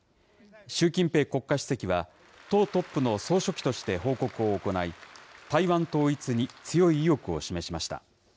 習近平国家主席は、党トップの総書記として報告を行い、台湾統一に強い意欲を示しました。